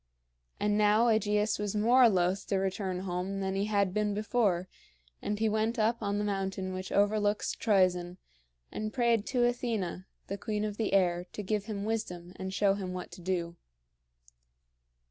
And now AEgeus was more loth to return home than he had been before, and he went up on the mountain which overlooks Troezen, and prayed to Athena, the queen of the air, to give him wisdom and show him what to do.